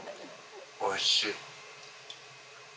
おいしい。